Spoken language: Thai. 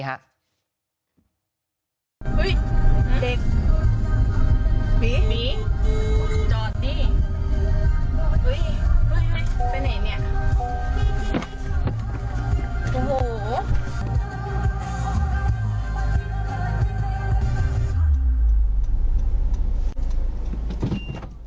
หมอสัย